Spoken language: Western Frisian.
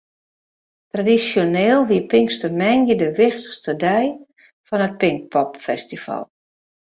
Tradisjoneel wie pinkstermoandei de wichtichste dei fan it Pinkpopfestival.